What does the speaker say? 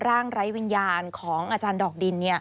ไร้วิญญาณของอาจารย์ดอกดิน